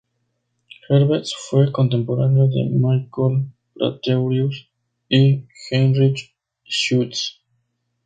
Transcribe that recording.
Herbst fue contemporáneo de Michael Praetorius y Heinrich Schütz.